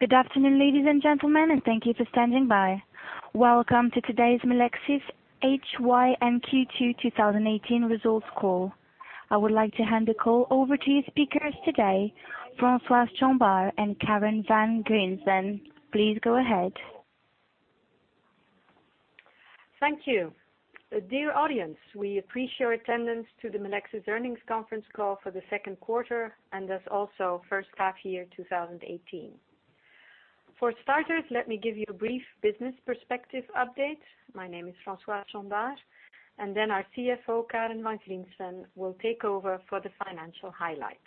Good afternoon, ladies and gentlemen, and thank you for standing by. Welcome to today's Melexis HY and Q2 2018 results call. I would like to hand the call over to your speakers today, Françoise Chombar and Karen Van Griensven. Please go ahead. Thank you. Dear audience, we appreciate your attendance to the Melexis earnings conference call for the second quarter, and thus also first half year 2018. For starters, let me give you a brief business perspective update. My name is Françoise Chombar, then our CFO, Karen Van Griensven, will take over for the financial highlights.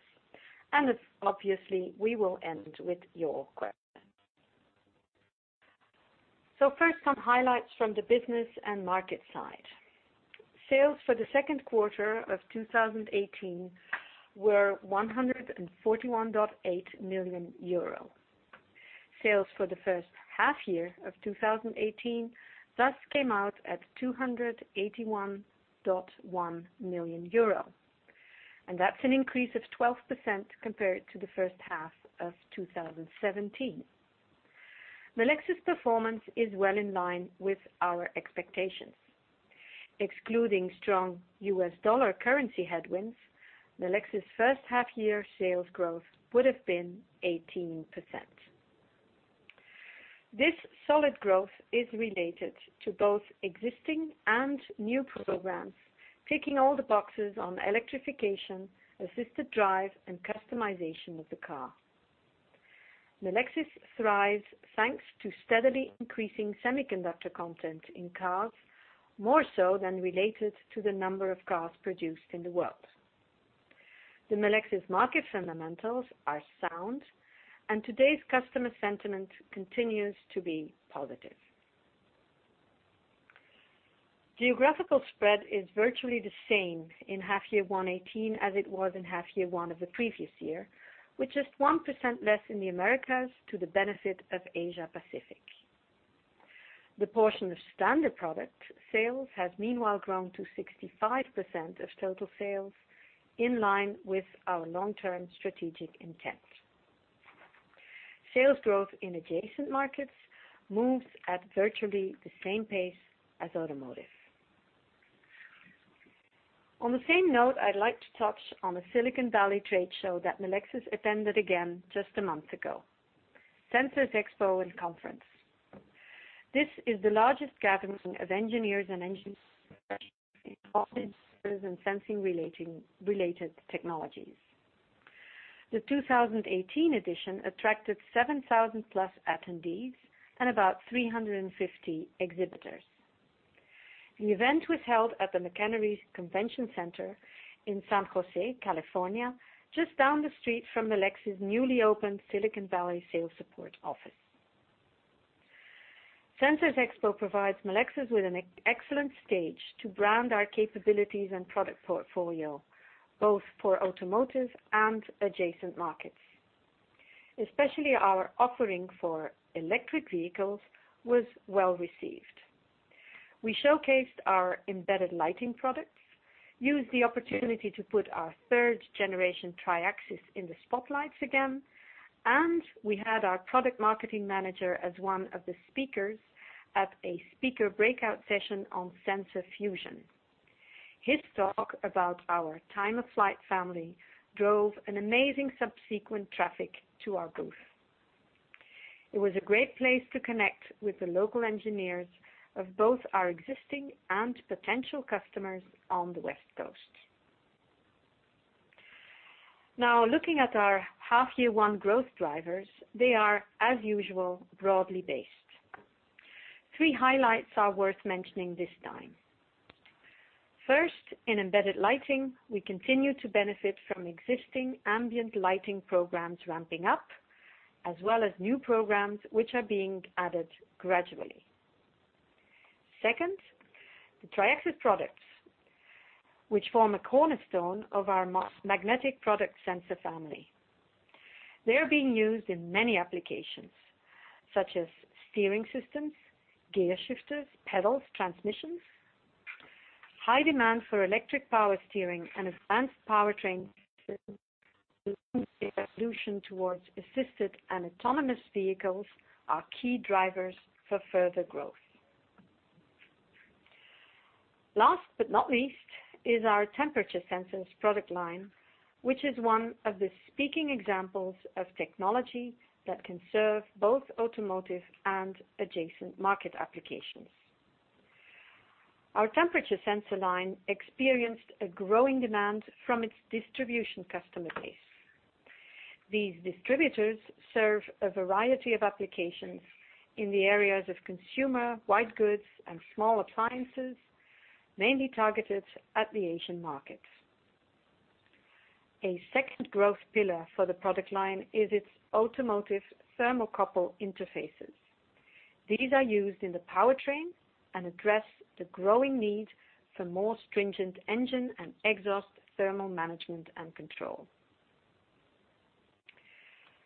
Obviously, we will end with your questions. First, some highlights from the business and market side. Sales for the second quarter of 2018 were 141.8 million euro. Sales for the first half year of 2018 thus came out at 281.1 million euro, that's an increase of 12% compared to the first half of 2017. Melexis' performance is well in line with our expectations. Excluding strong U.S. dollar currency headwinds, Melexis' first half year sales growth would have been 18%. This solid growth is related to both existing and new programs, ticking all the boxes on electrification, assisted drive, and customization of the car. Melexis thrives thanks to steadily increasing semiconductor content in cars, more so than related to the number of cars produced in the world. The Melexis market fundamentals are sound, today's customer sentiment continues to be positive. Geographical spread is virtually the same in half year one 2018 as it was in half year one of the previous year, with just 1% less in the Americas to the benefit of Asia-Pacific. The portion of standard product sales has meanwhile grown to 65% of total sales, in line with our long-term strategic intent. Sales growth in adjacent markets moves at virtually the same pace as automotive. On the same note, I'd like to touch on a Silicon Valley trade show that Melexis attended again just a month ago, Sensors Converge. This is the largest gathering of engineers and sensing-related technologies. The 2018 edition attracted 7,000 plus attendees and about 350 exhibitors. The event was held at the McEnery Convention Center in San Jose, California, just down the street from Melexis' newly opened Silicon Valley sales support office. Sensors Converge provides Melexis with an excellent stage to brand our capabilities and product portfolio, both for automotive and adjacent markets. Especially our offering for electric vehicles was well-received. We showcased our embedded lighting products, used the opportunity to put our third generation Triaxis in the spotlight again, and we had our product marketing manager as one of the speakers at a speaker breakout session on sensor fusion. His talk about our Time-of-Flight family drove an amazing subsequent traffic to our booth. It was a great place to connect with the local engineers of both our existing and potential customers on the West Coast. Looking at our half year one growth drivers, they are, as usual, broadly based. Three highlights are worth mentioning this time. First, in embedded lighting, we continue to benefit from existing ambient lighting programs ramping up, as well as new programs which are being added gradually. Second, the Triaxis products, which form a cornerstone of our magnetic product sensor family. They are being used in many applications, such as steering systems, gear shifters, pedals, transmissions. High demand for electric power steering and advanced powertrain solution towards assisted and autonomous vehicles are key drivers for further growth. Last but not least is our temperature sensors product line, which is one of the speaking examples of technology that can serve both automotive and adjacent market applications. Our temperature sensor line experienced a growing demand from its distribution customer base. These distributors serve a variety of applications in the areas of consumer, white goods, and small appliances, mainly targeted at the Asian markets. A second growth pillar for the product line is its automotive thermocouple interfaces. These are used in the powertrain and address the growing need for more stringent engine and exhaust thermal management and control.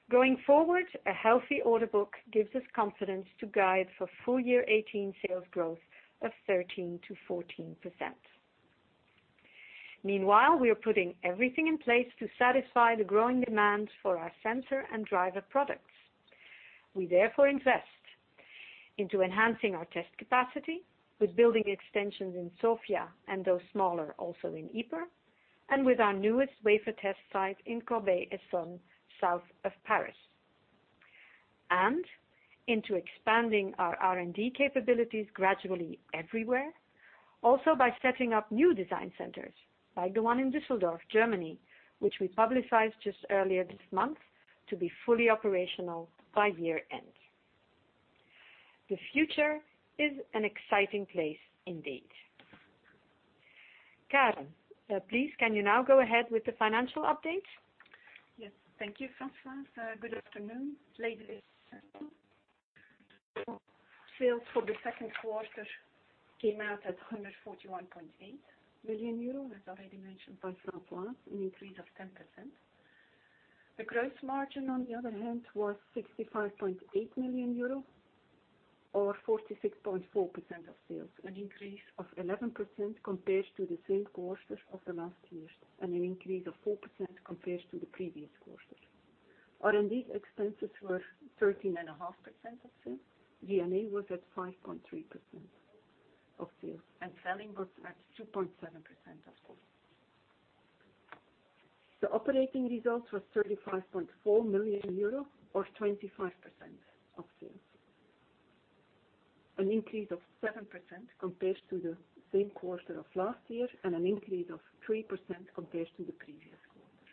Going forward, a healthy order book gives us confidence to guide for full year 2018 sales growth of 13%-14%. Meanwhile, we are putting everything in place to satisfy the growing demand for our sensor and driver products. We therefore invest into enhancing our test capacity with building extensions in Sofia, and though smaller, also in Ypres, and with our newest wafer test site in Corbeil-Essonnes, south of Paris. Into expanding our R&D capabilities gradually everywhere. Also by setting up new design centers like the one in Düsseldorf, Germany, which we publicized just earlier this month to be fully operational by year-end. The future is an exciting place indeed. Karen, please, can you now go ahead with the financial update? Yes. Thank you, Françoise. Good afternoon, ladies and gentlemen. Sales for the second quarter came out at 141.8 million euros, as already mentioned by Françoise, an increase of 10%. The gross margin, on the other hand, was 65.8 million euro or 46.4% of sales, an increase of 11% compared to the same quarter of the last year, and an increase of 4% compared to the previous quarter. R&D expenses were 13.5% of sales. G&A was at 5.3% of sales, and selling was at 2.7% of sales. The operating results were 35.4 million euro or 25% of sales. An increase of 7% compared to the same quarter of last year, and an increase of 3% compared to the previous quarter.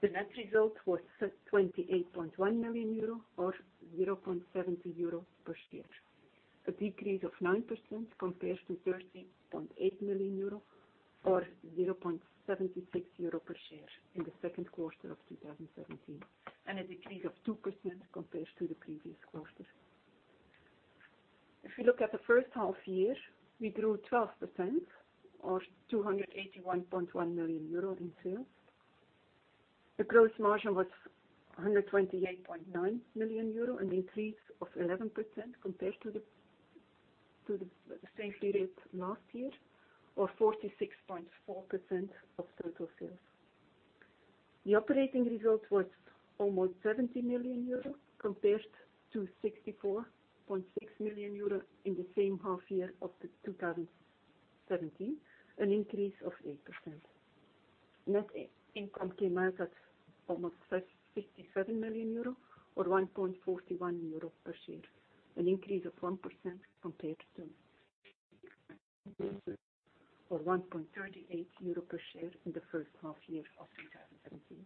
The net result was at 28.1 million euro or 0.70 euro per share, a decrease of 9% compared to 30.8 million euro or 0.76 euro per share in the second quarter of 2017, and a decrease of 2% compared to the previous quarter. If you look at the first half year, we grew 12% or 281.1 million euro in sales. The gross margin was 128.9 million euro, an increase of 11% compared to the same period last year, or 46.4% of total sales. The operating result was almost 70 million euros compared to 64.6 million euros in the same half year of 2017, an increase of 8%. Net income came out at almost 57 million euro or 1.41 euro per share, an increase of 1% compared to or 1.38 euro per share in the first half year of 2017.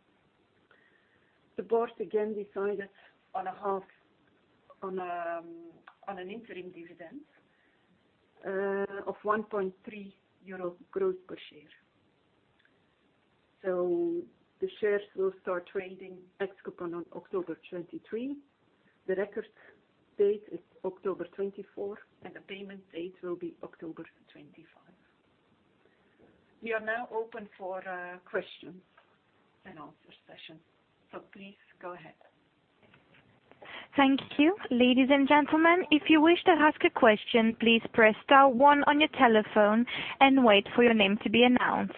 The board again decided on an interim dividend of 1.3 euro growth per share. The shares will start trading ex-coupon on October 23. The record date is October 24, and the payment date will be October 25. We are now open for a question and answer session. Please go ahead. Thank you. Ladies and gentlemen, if you wish to ask a question, please press star one on your telephone and wait for your name to be announced.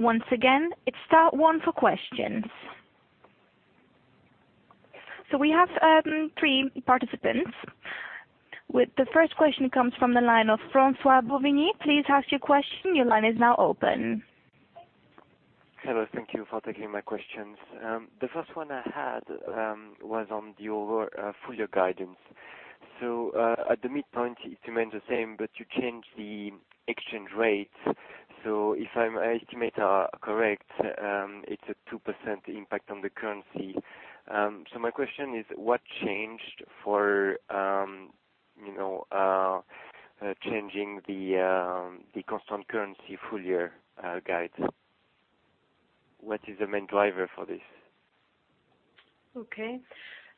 Once again, it's star one for questions. We have three participants. The first question comes from the line of François-Xavier Bouvignies. Please ask your question. Your line is now open. Hello. Thank you for taking my questions. The first one I had was on your full-year guidance. At the midpoint, it remains the same, but you changed the exchange rates. If my estimates are correct, it's a 2% impact on the currency. My question is what changed for changing the constant currency full-year guide? What is the main driver for this? Okay.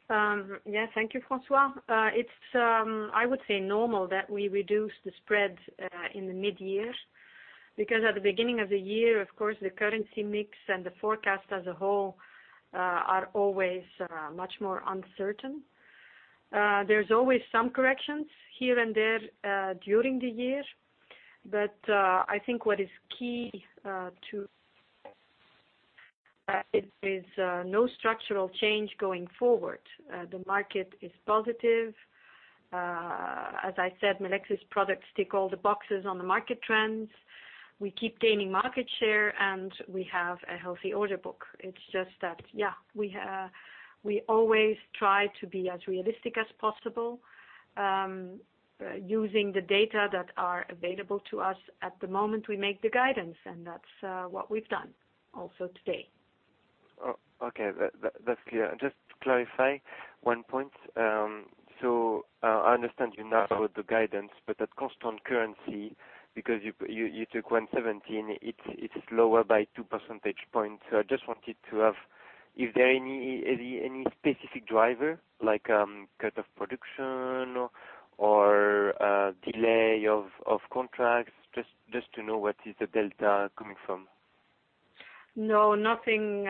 Yeah, thank you, François. It's, I would say, normal that we reduce the spread in the mid-year because at the beginning of the year, of course, the currency mix and the forecast as a whole are always much more uncertain. There's always some corrections here and there during the year. I think what is key to is no structural change going forward. The market is positive. As I said, Melexis products tick all the boxes on the market trends. We keep gaining market share, and we have a healthy order book. It's just that, yeah, we always try to be as realistic as possible using the data that are available to us at the moment we make the guidance, and that's what we've done also today. Okay. That's clear. Just to clarify one point. I understand you now about the guidance, at constant currency, because you took 1.17, it's lower by two percentage points. I just wanted to know, is there any specific driver like cut in production or a delay of contracts, just to know what is the delta coming from? No, nothing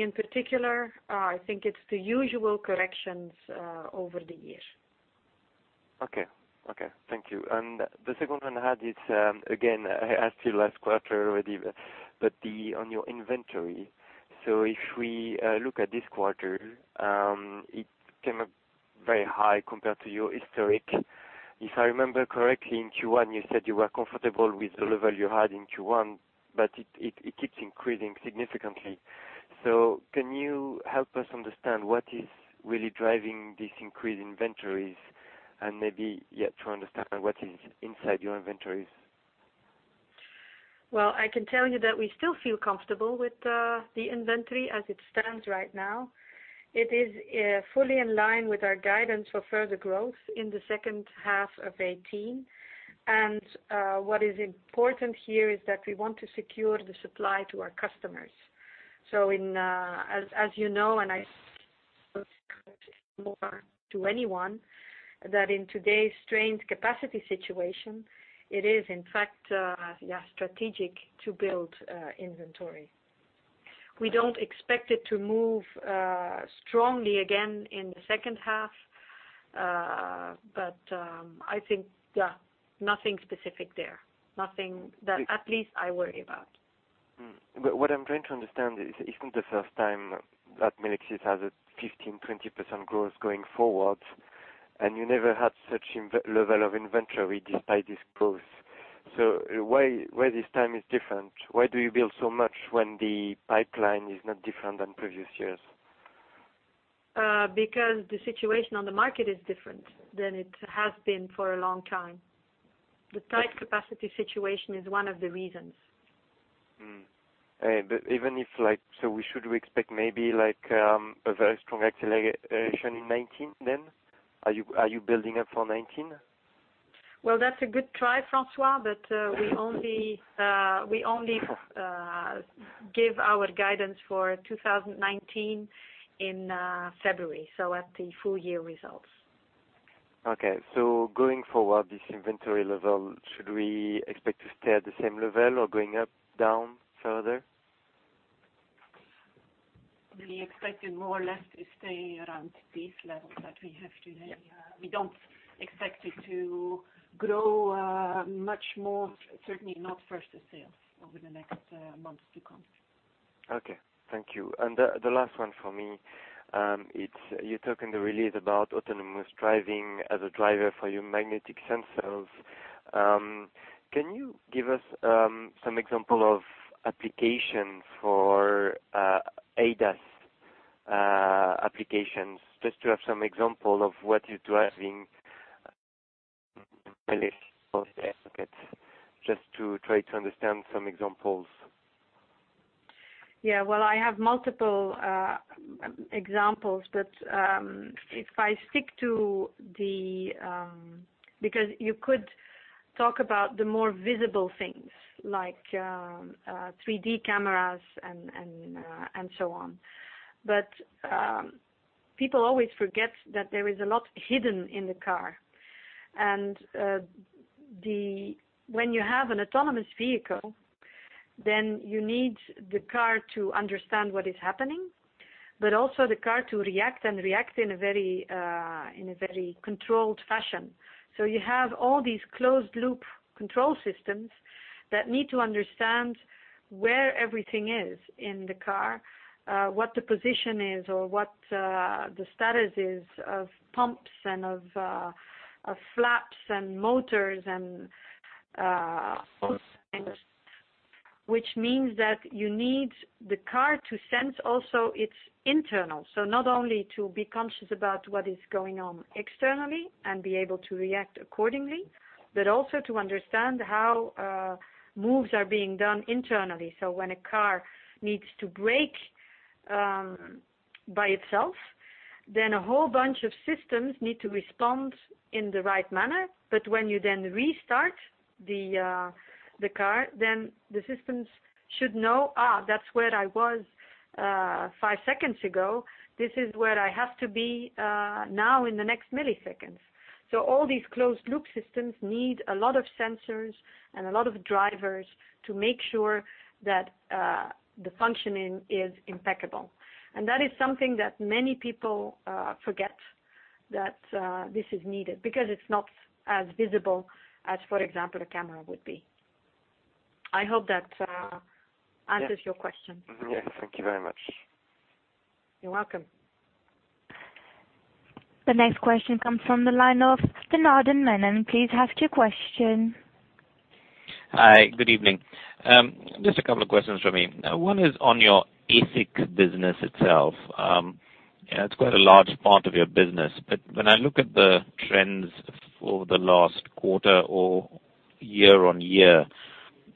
in particular. I think it's the usual corrections over the years. Okay. Thank you. The second one I had is, again, I asked you last quarter already, on your inventory. If we look at this quarter, it came up very high compared to your historic. I remember correctly, in Q1, you said you were comfortable with the level you had in Q1, it keeps increasing significantly. Can you help us understand what is really driving this increased inventories and maybe, to understand what is inside your inventories? Well, I can tell you that we still feel comfortable with the inventory as it stands right now. It is fully in line with our guidance for further growth in the second half of 2018. What is important here is that we want to secure the supply to our customers. As you know, and I tell anyone, that in today's strained capacity situation, it is in fact, strategic to build inventory. We don't expect it to move strongly again in the second half. I think, nothing specific there. Nothing that at least I worry about. What I'm trying to understand is, it isn't the first time that Melexis has a 15%-20% growth going forward, and you never had such level of inventory despite this growth. Why this time is different? Why do you build so much when the pipeline is not different than previous years? The situation on the market is different than it has been for a long time. The tight capacity situation is one of the reasons. Even if like, we should expect maybe a very strong acceleration in 2019, then? Are you building up for 2019? That's a good try, François, we only give our guidance for 2019 in February, at the full year results. Okay. Going forward, this inventory level, should we expect to stay at the same level or going up, down further? We expect it more or less to stay around these levels that we have today. We don't expect it to grow much more, certainly not versus sales over the next months to come. Okay. Thank you. The last one for me, you talk in the release about autonomous driving as a driver for your magnetic sensors. Can you give us some examples of application for ADAS applications, just to have some examples of what you're driving just to try to understand some examples? Well, I have multiple examples, but if I stick to the You could talk about the more visible things like 3D cameras and so on. People always forget that there is a lot hidden in the car. When you have an autonomous vehicle, then you need the car to understand what is happening, but also the car to react, and react in a very controlled fashion. You have all these closed-loop control systems that need to understand where everything is in the car, what the position is or what the status is of pumps and of flaps and motors and all sorts of things. Which means that you need the car to sense also its internal. Not only to be conscious about what is going on externally and be able to react accordingly, but also to understand how moves are being done internally. When a car needs to brake by itself, then a whole bunch of systems need to respond in the right manner. When you then restart the car, then the systems should know, "Ah, that's where I was five seconds ago. This is where I have to be now in the next millisecond." All these closed-loop systems need a lot of sensors and a lot of drivers to make sure that the functioning is impeccable. That is something that many people forget, that this is needed because it's not as visible as, for example, a camera would be. I hope that answers your question. Yes. Thank you very much. You're welcome. The next question comes from the line of Janardan Menon. Please ask your question. Hi. Good evening. Just a couple of questions from me. One is on your ASIC business itself. It's quite a large part of your business. When I look at the trends for the last quarter or year-on-year,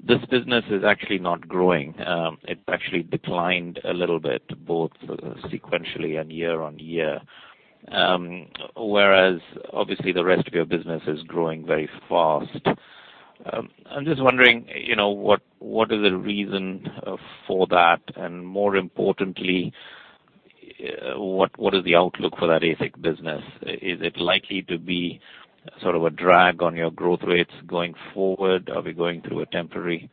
this business is actually not growing. It actually declined a little bit, both sequentially and year-on-year. Whereas obviously the rest of your business is growing very fast. I'm just wondering, what is the reason for that? More importantly, what is the outlook for that ASIC business? Is it likely to be sort of a drag on your growth rates going forward? Are we going through a temporary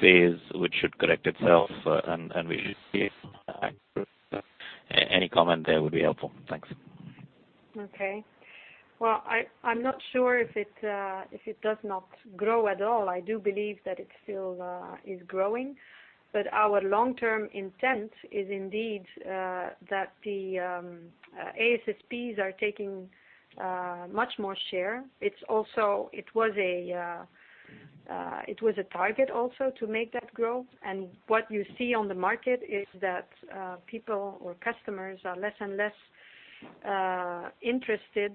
phase which should correct itself, and we should see any comment there would be helpful. Thanks. Okay. Well, I'm not sure if it does not grow at all. I do believe that it still is growing. Our long-term intent is indeed that the ASSPs are taking much more share. It was a target also to make that grow. What you see on the market is that people or customers are less and less interested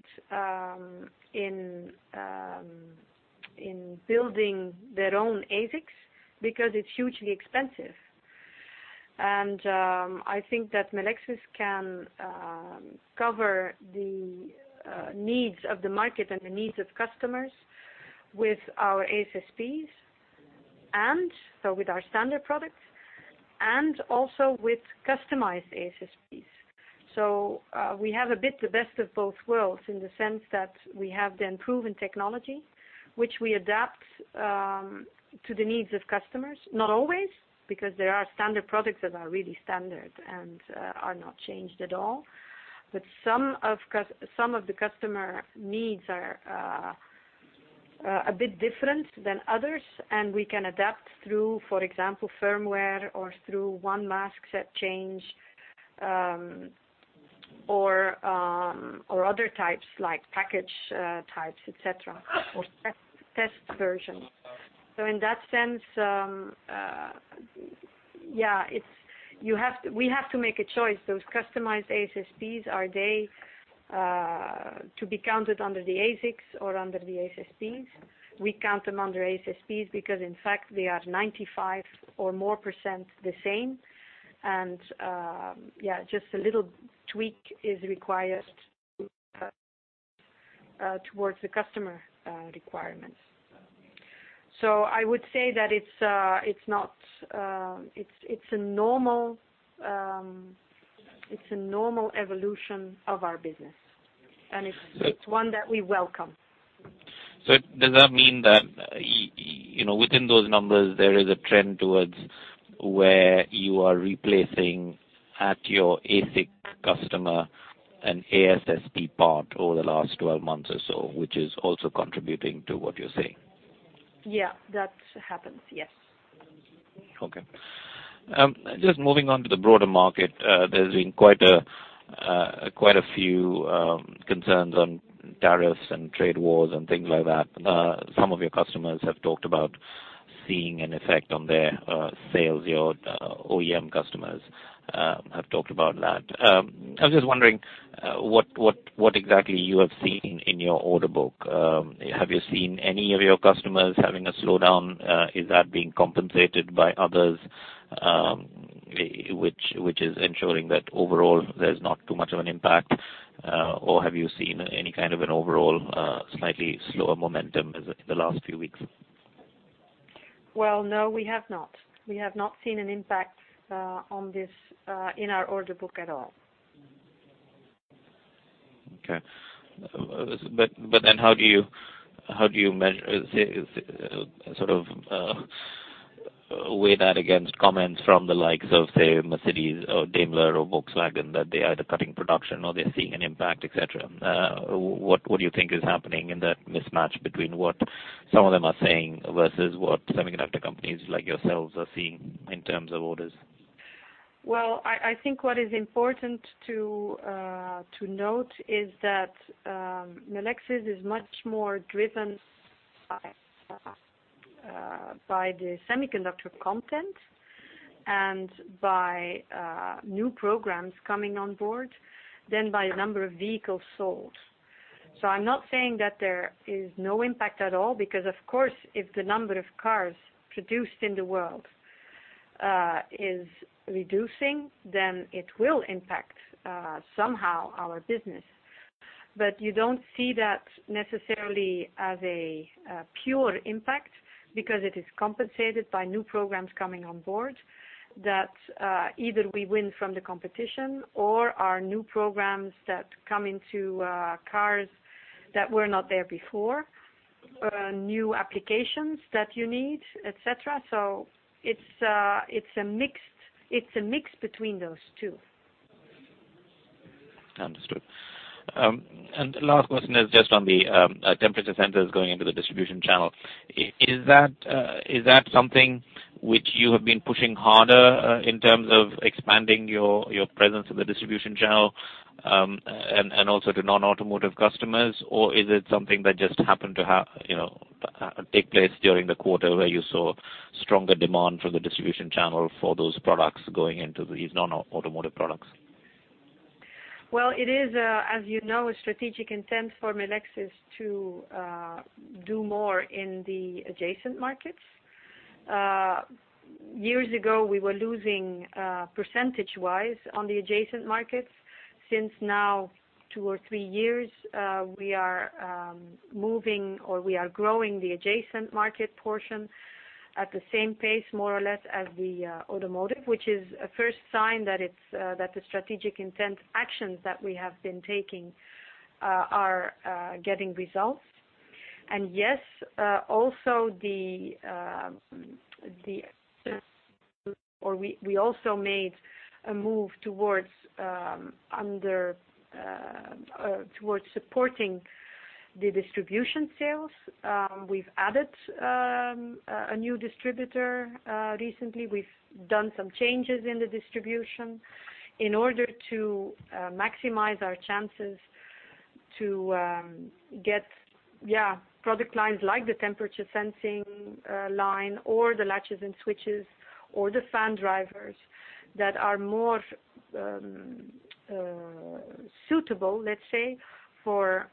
in building their own ASICs because it's hugely expensive. I think that Melexis can cover the needs of the market and the needs of customers with our ASSPs, so with our standard products, and also with customized ASSPs. We have a bit the best of both worlds in the sense that we have the proven technology, which we adapt to the needs of customers. Not always, because there are standard products that are really standard and are not changed at all. Some of the customer needs are a bit different than others, and we can adapt through, for example, firmware or through one mask set change, or other types like package types, et cetera, or test versions. In that sense, we have to make a choice. Those customized ASSPs, are they to be counted under the ASICs or under the ASSPs? We count them under ASSPs because in fact they are 95% or more the same. Just a little tweak is required towards the customer requirements. I would say that it's a normal evolution of our business, and it's one that we welcome. Does that mean that, within those numbers, there is a trend towards where you are replacing at your ASIC customer an ASSP part over the last 12 months or so, which is also contributing to what you're saying? Yeah, that happens. Yes. Okay. Just moving on to the broader market. There's been quite a few concerns on tariffs and trade wars and things like that. Some of your customers have talked about seeing an effect on their sales. Your OEM customers have talked about that. I was just wondering what exactly you have seen in your order book. Have you seen any of your customers having a slowdown? Is that being compensated by others, which is ensuring that overall there's not too much of an impact? Or have you seen any kind of an overall slightly slower momentum in the last few weeks? Well, no, we have not. We have not seen an impact on this in our order book at all. How do you measure, sort of weigh that against comments from the likes of, say, Mercedes or Daimler or Volkswagen that they are either cutting production or they're seeing an impact, et cetera. What do you think is happening in that mismatch between what some of them are saying versus what semiconductor companies like yourselves are seeing in terms of orders? I think what is important to note is that Melexis is much more driven by the semiconductor content and by new programs coming on board than by the number of vehicles sold. I'm not saying that there is no impact at all because, of course, if the number of cars produced in the world is reducing, it will impact somehow our business. You don't see that necessarily as a pure impact because it is compensated by new programs coming on board that either we win from the competition or are new programs that come into cars that were not there before, new applications that you need, et cetera. It's a mix between those two. Understood. Last question is just on the temperature sensors going into the distribution channel. Is that something which you have been pushing harder in terms of expanding your presence in the distribution channel, and also to non-automotive customers? Or is it something that just happened to take place during the quarter where you saw stronger demand from the distribution channel for those products going into these non-automotive products? It is, as you know, a strategic intent for Melexis to do more in the adjacent markets. Years ago, we were losing percentage-wise on the adjacent markets. Since now 2 or 3 years, we are moving or we are growing the adjacent market portion at the same pace, more or less, as the automotive, which is a first sign that the strategic intent actions that we have been taking are getting results. Yes, we also made a move towards supporting the distribution sales. We've added a new distributor recently. We've done some changes in the distribution in order to maximize our chances to get product lines like the temperature sensing line, or the latches and switches, or the fan drivers that are more suitable, let's say, for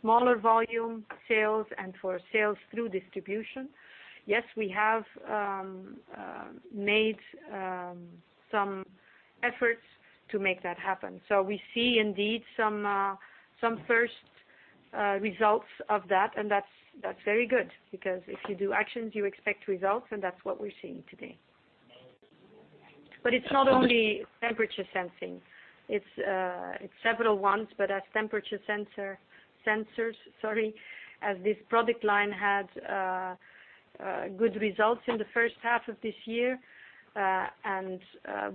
smaller volume sales and for sales through distribution. Yes, we have made some efforts to make that happen. We see indeed some first results of that, and that's very good, because if you do actions, you expect results, and that's what we're seeing today. It's not only temperature sensing. It's several ones, but as temperature sensors, sorry, as this product line had good results in the first half of this year.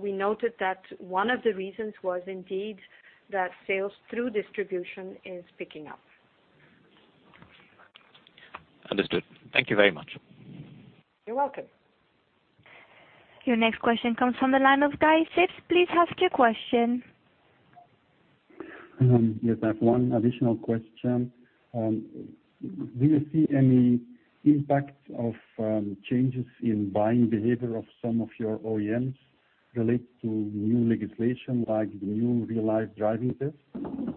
We noted that one of the reasons was indeed that sales through distribution is picking up. Understood. Thank you very much. You're welcome. Your next question comes from the line of Guy Sips. Please ask your question. Yes, I have one additional question. Do you see any impact of changes in buying behavior of some of your OEMs relate to new legislation like the new Real Driving Emissions Test?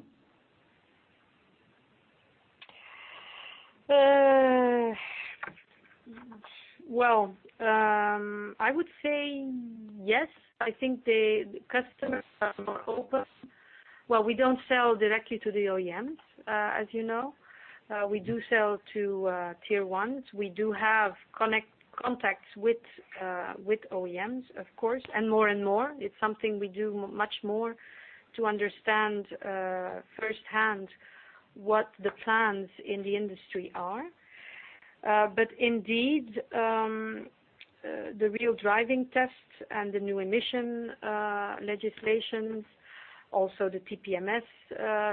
Well, I would say yes. I think the customers are more open. Well, we don't sell directly to the OEMs, as you know. We do sell to tier ones. We do have contacts with OEMs, of course, and more and more. It's something we do much more to understand firsthand what the plans in the industry are. Indeed, the Real Driving Emissions Tests and the new emission legislations, also the TPMS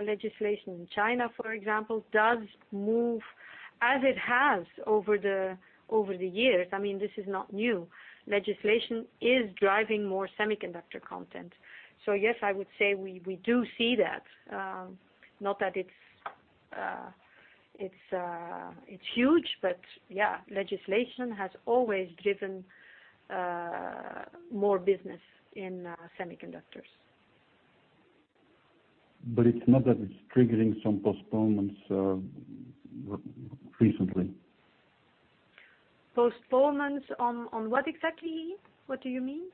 legislation in China, for example, does move as it has over the years. This is not new. Legislation is driving more semiconductor content. Yes, I would say we do see that. Not that it's huge, but yeah, legislation has always driven more business in semiconductors. It's not that it's triggering some postponements recently. Postponements on what exactly? What do you mean?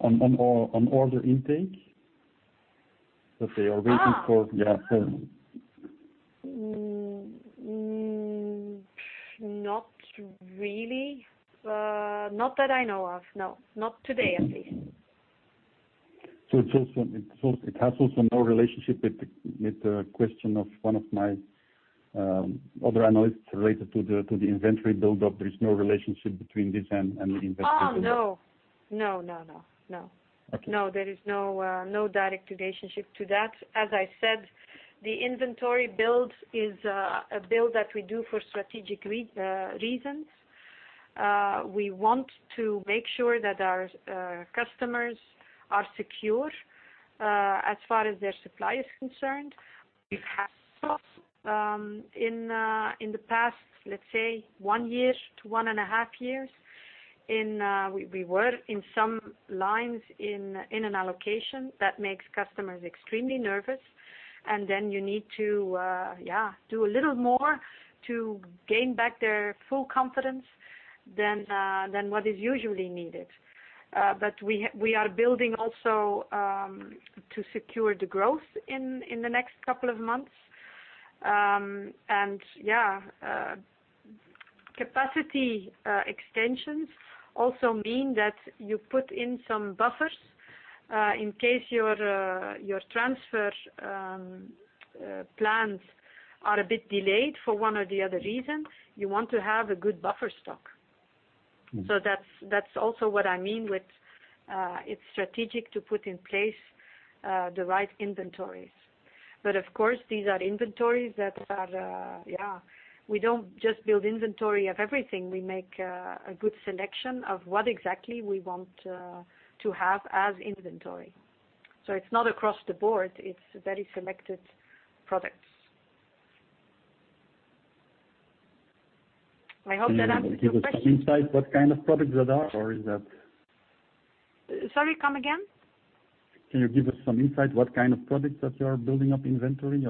On order intake, that they are waiting for. Yeah. Not really. Not that I know of, no. Not today, at least. It has also no relationship with the question of one of my other analysts related to the inventory build-up. There is no relationship between this and the inventory build-up. Oh, no. No. Okay. No, there is no direct relationship to that. As I said, the inventory build is a build that we do for strategic reasons. We want to make sure that our customers are secure as far as their supply is concerned. We've had in the past, let's say one year to one and a half years. We were in some lines in an allocation that makes customers extremely nervous, then you need to do a little more to gain back their full confidence than what is usually needed. We are building also to secure the growth in the next couple of months. Yeah, capacity extensions also mean that you put in some buffers, in case your transfer plans are a bit delayed for one or the other reason. You want to have a good buffer stock. That's also what I mean with it's strategic to put in place the right inventories. Of course, these are inventories We don't just build inventory of everything. We make a good selection of what exactly we want to have as inventory. It's not across the board, it's very selected products. I hope that answers your question. Can you give us some insight what kind of products that are or is that- Sorry, come again? Can you give us some insight what kind of products that you are building up inventory?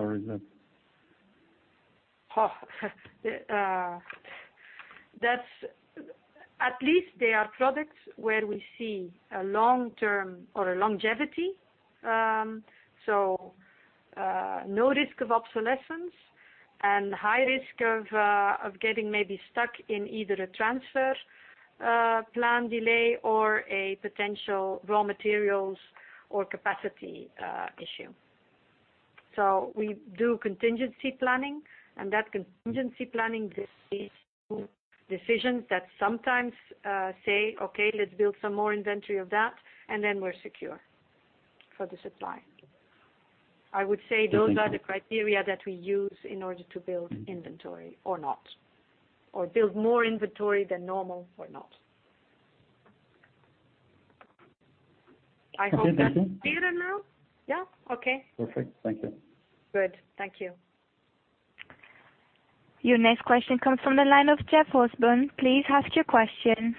At least they are products where we see a longevity. No risk of obsolescence. High risk of getting maybe stuck in either a transfer plan delay or a potential raw materials or capacity issue. We do contingency planning, and that contingency planning leads to decisions that sometimes say, "Okay, let's build some more inventory of that, and then we're secure for the supply." I would say those are the criteria that we use in order to build inventory or not, or build more inventory than normal or not. I hope that's clearer now. Yeah? Okay. Perfect. Thank you. Good. Thank you. Your next question comes from the line of Jeff Osborne. Please ask your question.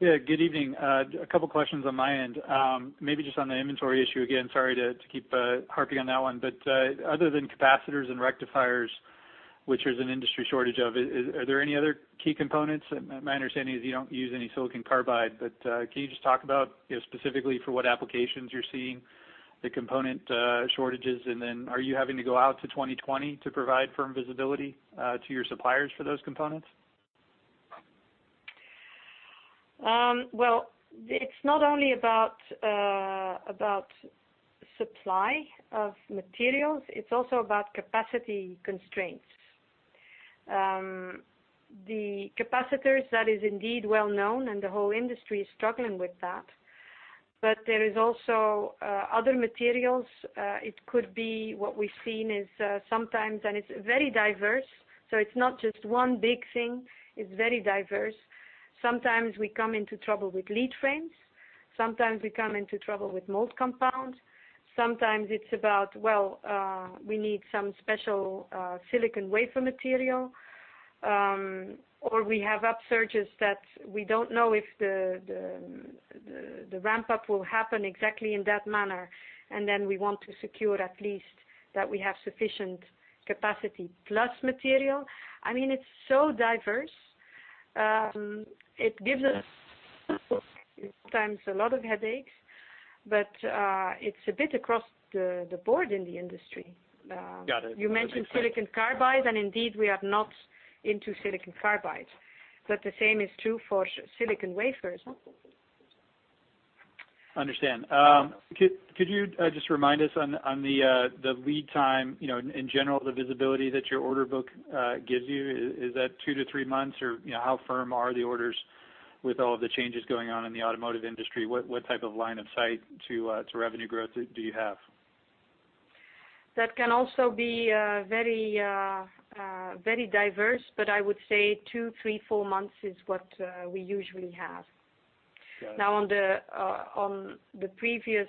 Yeah, good evening. A couple questions on my end. Maybe just on the inventory issue again, sorry to keep harping on that one, but other than capacitors and rectifiers, which there's an industry shortage of, are there any other key components? My understanding is you don't use any silicon carbide, but can you just talk about specifically for what applications you're seeing the component shortages? Are you having to go out to 2020 to provide firm visibility to your suppliers for those components? It's not only about supply of materials, it's also about capacity constraints. The capacitors, that is indeed well-known, the whole industry is struggling with that. There is also other materials. It could be what we've seen is sometimes, it's very diverse, it's not just one big thing. It's very diverse. Sometimes we come into trouble with lead frames. Sometimes we come into trouble with mold compounds. Sometimes it's about, we need some special silicon wafer material. We have upsurges that we don't know if the ramp-up will happen exactly in that manner, we want to secure at least that we have sufficient capacity plus material. It's so diverse. It gives us, at times, a lot of headaches, it's a bit across the board in the industry. Got it. You mentioned silicon carbide, indeed, we are not into silicon carbide. The same is true for silicon wafers. Understand. Could you just remind us on the lead time, in general, the visibility that your order book gives you, is that two to three months? Or how firm are the orders with all of the changes going on in the automotive industry? What type of line of sight to revenue growth do you have? That can also be very diverse, I would say two, three, four months is what we usually have. Got it. Now on the previous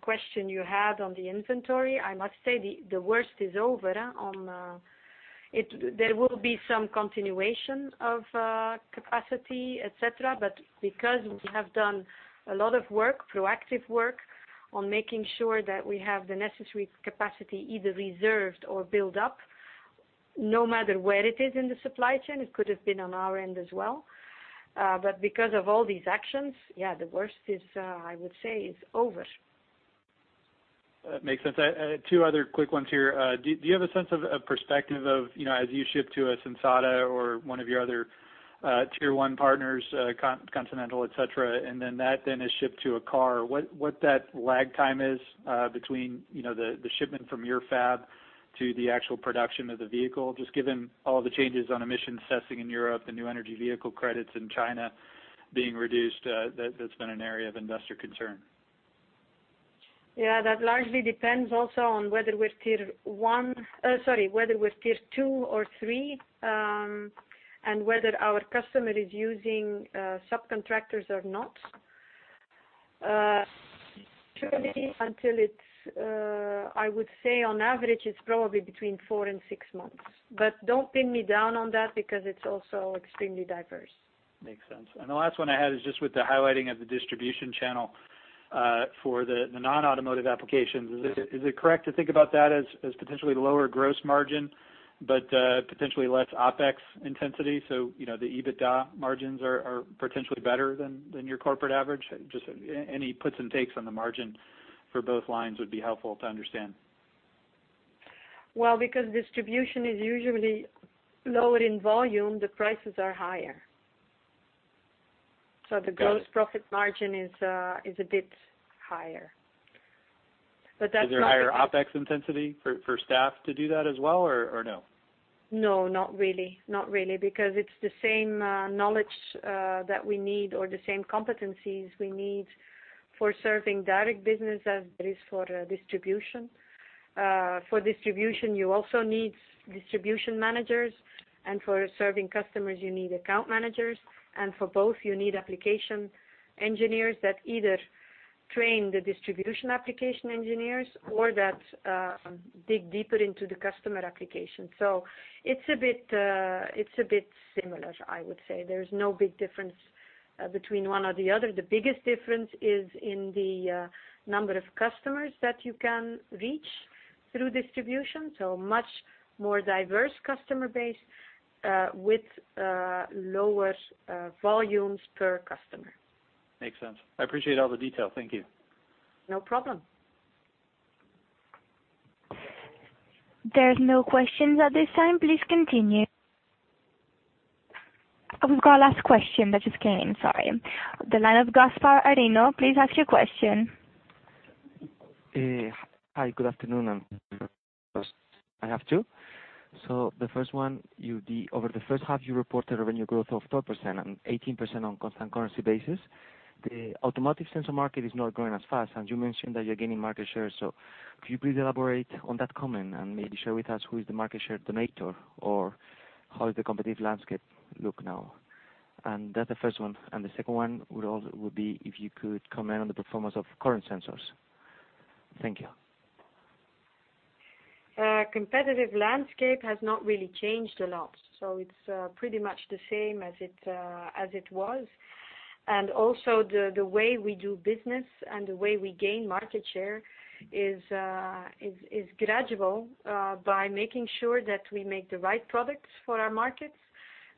question you had on the inventory, I must say the worst is over. There will be some continuation of capacity, et cetera, because we have done a lot of work, proactive work, on making sure that we have the necessary capacity either reserved or built up, no matter where it is in the supply chain, it could have been on our end as well. Because of all these actions, yeah, the worst is, I would say, is over. That makes sense. Two other quick ones here. Do you have a sense of perspective of, as you ship to a Sensata or one of your other tier 1 partners, Continental, et cetera, and then that then is shipped to a car. What that lag time is between the shipment from your fab to the actual production of the vehicle? Just given all the changes on emissions testing in Europe, the new energy vehicle credits in China being reduced, that's been an area of investor concern. Yeah, that largely depends also on whether we're tier 2 or 3, and whether our customer is using subcontractors or not. Truly, until it's, I would say on average, it's probably between four and six months. Don't pin me down on that because it's also extremely diverse. Makes sense. The last one I had is just with the highlighting of the distribution channel for the non-automotive applications. Is it correct to think about that as potentially lower gross margin, but potentially less OpEx intensity? The EBITDA margins are potentially better than your corporate average? Just any puts and takes on the margin for both lines would be helpful to understand. Because distribution is usually lower in volume, the prices are higher. The gross profit margin is a bit higher. Is there higher OpEx intensity for staff to do that as well or no? Not really. Not really, because it's the same knowledge that we need or the same competencies we need for serving direct business as it is for distribution. For distribution, you also need distribution managers, and for serving customers, you need account managers. For both, you need application engineers that either train the distribution application engineers or that dig deeper into the customer application. It's a bit similar, I would say. There's no big difference between one or the other. The biggest difference is in the number of customers that you can reach through distribution, much more diverse customer base, with lower volumes per customer. Makes sense. I appreciate all the detail. Thank you. No problem. There's no questions at this time. Please continue. We've got a last question that just came, sorry. The line of Gaspar Ariño, please ask your question. Hi, good afternoon. I have two. The first one, over the first half, you reported revenue growth of 12% and 18% on constant currency basis. The automotive sensor market is not growing as fast, and you mentioned that you're gaining market share. Can you please elaborate on that comment and maybe share with us who is the market share donator or how is the competitive landscape look now? That's the first one. The second one would be if you could comment on the performance of current sensors. Thank you. Competitive landscape has not really changed a lot, it's pretty much the same as it was. Also the way we do business and the way we gain market share is gradual, by making sure that we make the right products for our markets,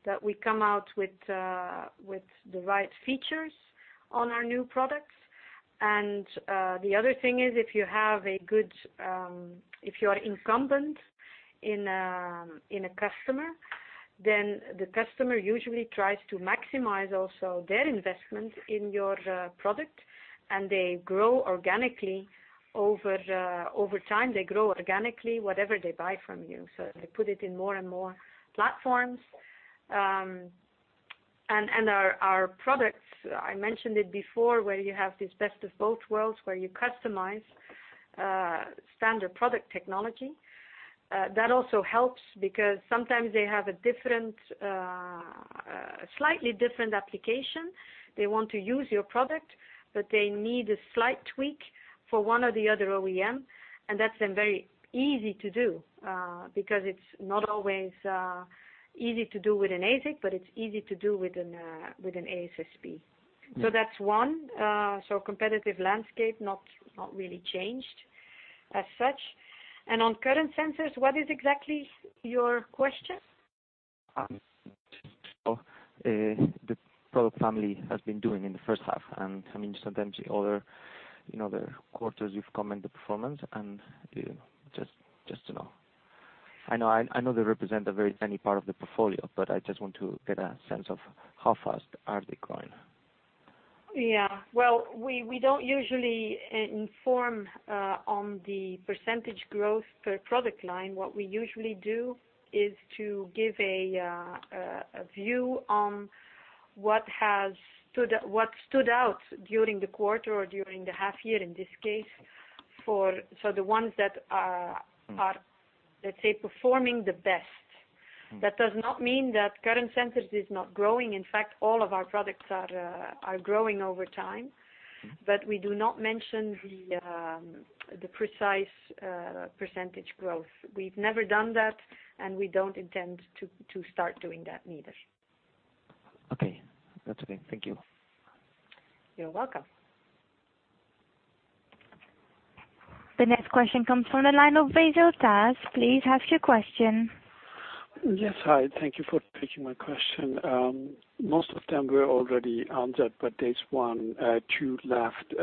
that we come out with the right features on our new products, the other thing is, if you are incumbent in a customer, then the customer usually tries to maximize also their investment in your product, they grow organically over time. They grow organically, whatever they buy from you. They put it in more and more platforms. Our products, I mentioned it before, where you have this best of both worlds, where you customize standard product technology. That also helps because sometimes they have a slightly different application. They want to use your product, they need a slight tweak for one or the other OEM, that's then very easy to do because it's not always easy to do with an ASIC, it's easy to do with an ASSP. That's one. Competitive landscape, not really changed as such. On current sensors, what is exactly your question? Just to know how the product family has been doing in the first half, sometimes the other quarters you've commented the performance just to know. I know they represent a very tiny part of the portfolio, I just want to get a sense of how fast are they growing. Yeah. Well, we don't usually inform on the percentage growth per product line. What we usually do is to give a view on what stood out during the quarter or during the half year, in this case. The ones that are- let's say, performing the best. That does not mean that current sensors is not growing. In fact, all of our products are growing over time. We do not mention the precise % growth. We've never done that, and we don't intend to start doing that neither. Okay. That's okay. Thank you. You're welcome. The next question comes from the line of Basil Hantash. Please ask your question. Yes, hi. Thank you for taking my question. Most of them were already answered, but there's one, two left.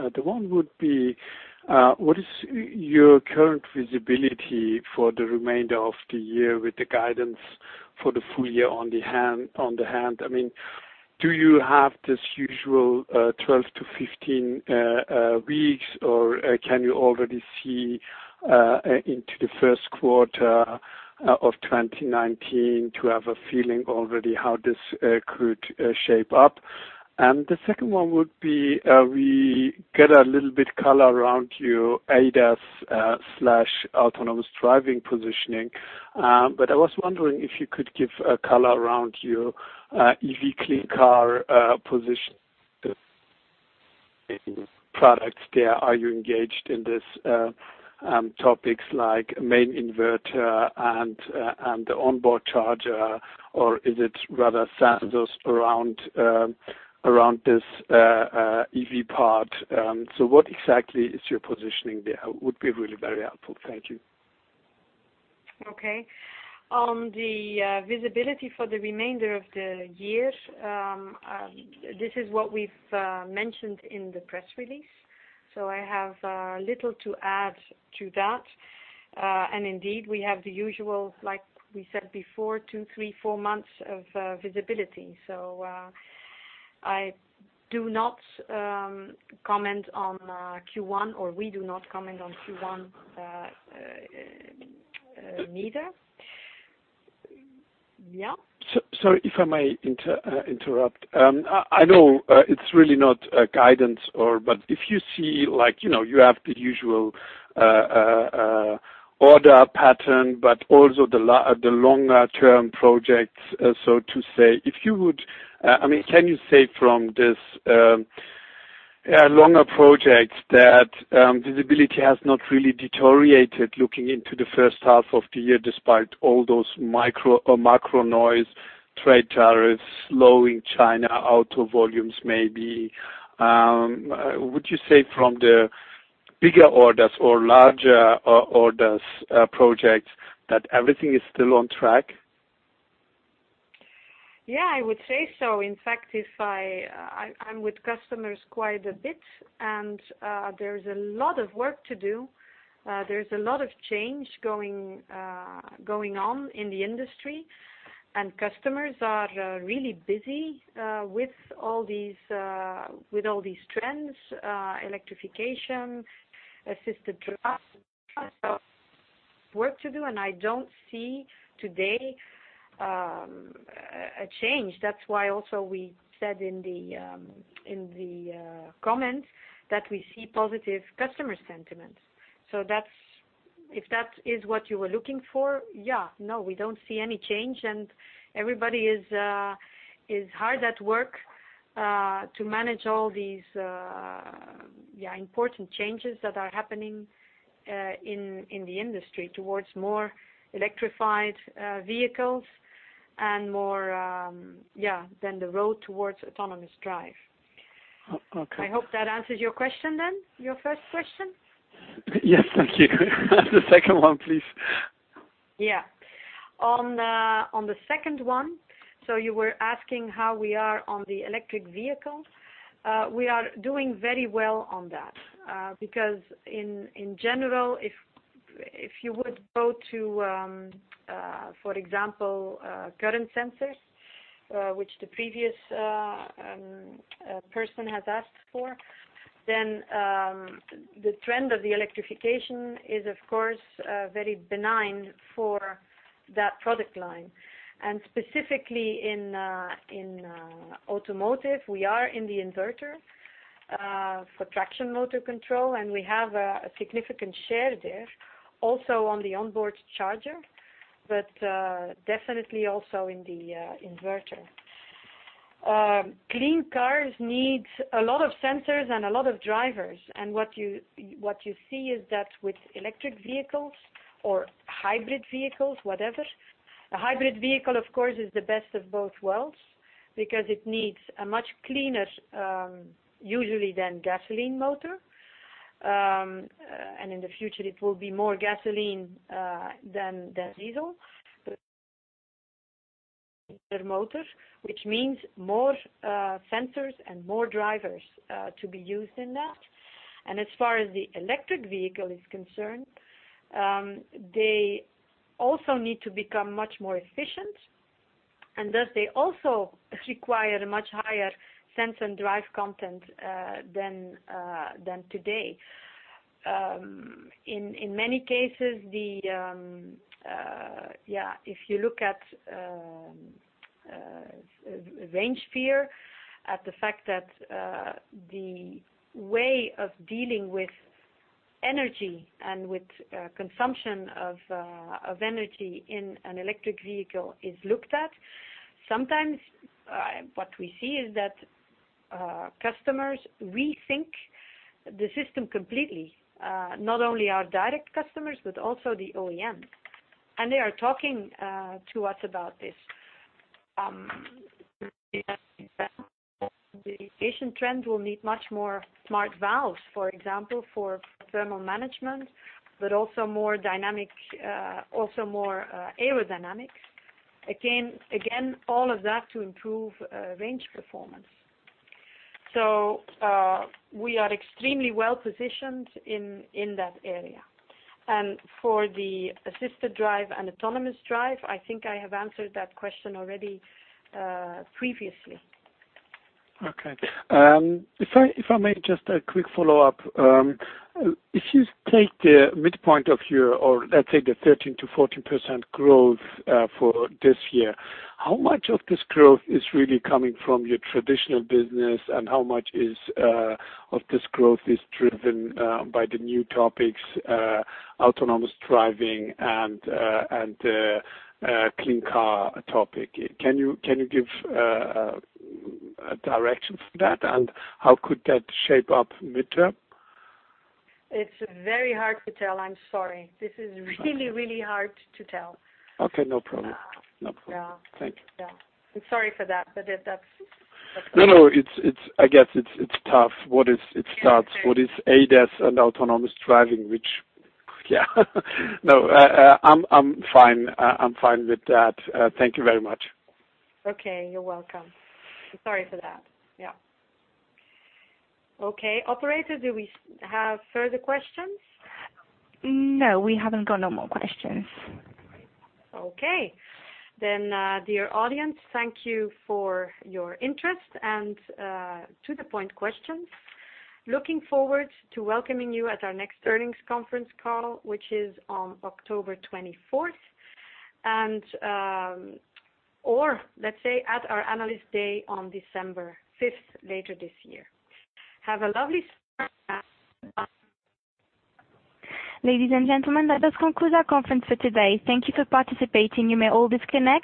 What is your current visibility for the remainder of the year with the guidance for the full year on the hand? Do you have this usual 12-15 weeks, or can you already see into the first quarter of 2019 to have a feeling already how this could shape up? The second one would be, we get a little bit color around your ADAS/autonomous driving positioning. I was wondering if you could give a color around your EV clean car positioning products there. Are you engaged in these topics like main inverter and the onboard charger, or is it rather sensors around this EV part? What exactly is your positioning there would be really very helpful. Thank you. Okay. On the visibility for the remainder of the year, this is what we've mentioned in the press release. I have little to add to that. Indeed, we have the usual, like we said before, two, three, four months of visibility. I do not comment on Q1, or we do not comment on Q1 neither. Yeah. Sorry, if I may interrupt. I know it's really not a guidance, but if you see you have the usual order pattern, but also the longer-term projects, so to say. Can you say from these longer projects that visibility has not really deteriorated looking into the first half of the year, despite all those macro noise, trade tariffs, slowing China auto volumes maybe? Would you say from the bigger orders or larger orders projects that everything is still on track? Yeah, I would say so. In fact, I'm with customers quite a bit. There's a lot of work to do. There's a lot of change going on in the industry. Customers are really busy with all these trends, electrification, assisted drive, and I don't see, today, a change. That's why also we said in the comments that we see positive customer sentiments. If that is what you were looking for, yeah. No, we don't see any change and everybody is hard at work to manage all these important changes that are happening in the industry towards more electrified vehicles and more than the road towards autonomous drive. Okay. I hope that answers your question then? Your first question. Yes. Thank you. The second one, please. Yeah. On the second one, you were asking how we are on the electric vehicle. We are doing very well on that because in general, if you would go to, for example, current sensors, which the previous person has asked for, the trend of the electrification is of course very benign for that product line. Specifically in automotive, we are in the inverter for traction motor control, we have a significant share there, also on the onboard charger, but definitely also in the inverter. Clean cars need a lot of sensors and a lot of drivers. What you see is that with electric vehicles or hybrid vehicles, whatever A hybrid vehicle of course is the best of both worlds because it needs a much cleaner, usually than gasoline motor, and in the future it will be more gasoline than diesel motor, which means more sensors and more drivers to be used in that. As far as the electric vehicle is concerned, they also need to become much more efficient, and thus they also require a much higher sense and drive content than today. In many cases, if you look at range fear, at the fact that the way of dealing with energy and with consumption of energy in an electric vehicle is looked at, sometimes what we see is that customers rethink the system completely. Not only our direct customers, but also the OEM. They are talking to us about this. The Asian trend will need much more smart valves, for example, for thermal management, but also more aerodynamics. Again, all of that to improve range performance. We are extremely well-positioned in that area. For the assisted drive and autonomous drive, I think I have answered that question already previously. Okay. If I may, just a quick follow-up. If you take the midpoint of your, or let's say the 13%-14% growth for this year, how much of this growth is really coming from your traditional business, and how much of this growth is driven by the new topics, autonomous driving and clean car topic? Can you give a direction for that and how could that shape up mid-term? It's very hard to tell. I'm sorry. This is really hard to tell. Okay. No problem. Thank you. Yeah. I'm sorry for that. No. I guess it's tough what is ADAS and autonomous driving. No, I'm fine with that. Thank you very much. Okay. You're welcome. Sorry for that. Yeah. Okay. Operator, do we have further questions? No, we haven't got no more questions. Okay. Dear audience, thank you for your interest and to-the-point questions. Looking forward to welcoming you at our next earnings conference call, which is on October 24th. Let's say at our Analyst Day on December 5th later this year. Ladies and gentlemen, that does conclude our conference for today. Thank you for participating. You may all disconnect.